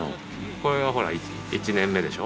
これはほら１年目でしょ。